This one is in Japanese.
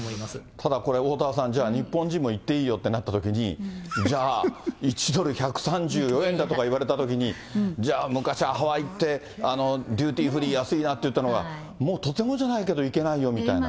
ただこれ、おおたわさん、じゃあ日本人も行っていいよとなったときに、じゃあ、１ドル１３４円だとかいわれたときに、じゃあ、昔はハワイ行って、デューティーフリー、安いなと言ってたのに、もうとてもじゃないけど行けないよみたいな。